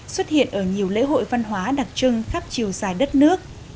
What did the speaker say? xuất hiện ở nhiều lễ hội văn hóa đặc trưng khắp chiều dài đất nước